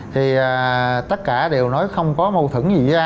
thì tất cả đều nói không có mâu thức